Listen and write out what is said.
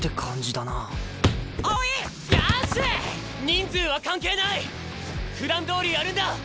人数は関係ない！ふだんどおりやるんだ！